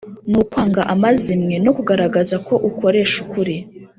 ni ukwanga amazimwe no kugaragaza ko ukoresha ukuri.